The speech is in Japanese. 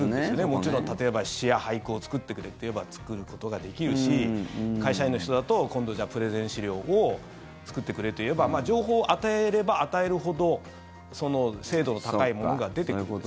もちろん例えば詩や俳句を作ってくれと言えば作ることができるし会社員の人だと今度、プレゼン資料を作ってくれと言えば情報を与えれば与えるほど精度の高いものが出てくると。